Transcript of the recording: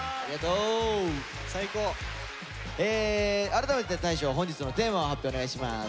改めて大昇本日のテーマを発表お願いします。